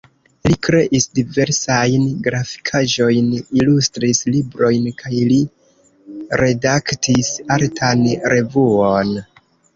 Li kreis diversajn grafikaĵojn, ilustris librojn kaj li redaktis artan revuon.